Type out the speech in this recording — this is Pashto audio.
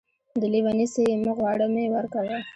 د لېوني څه يې مه غواړه ،مې ورکوه.